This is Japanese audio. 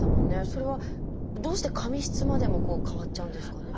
それはどうして髪質までも変わっちゃうんですかね。